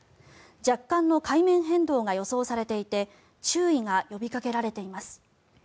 若干の海面変動が予想されていて注意が呼びかけられています。